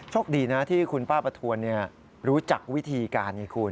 คดีนะที่คุณป้าประทวนรู้จักวิธีการไงคุณ